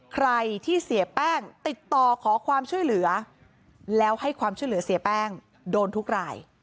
ใครที่เสียแป้งติดต่อขอความช่วยเหลือแล้วให้ความช่วยเหลือเสียแป้งโดนทุกราย